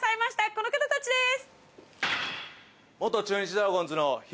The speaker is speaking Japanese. この方たちです！